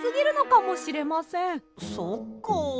そっか。